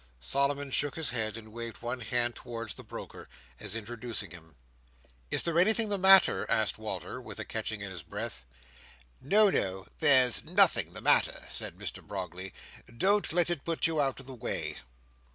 Solomon shook his head, and waved one hand towards the broker, as introducing him. "Is there anything the matter?" asked Walter, with a catching in his breath. "No, no. There's nothing the matter, said Mr Brogley. "Don't let it put you out of the way."